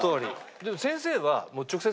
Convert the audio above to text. でも先生は。